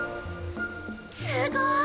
すごーい！